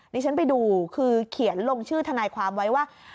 ดิฉันไปดูคือเขียนลงชื่อทนายความไว้ว่า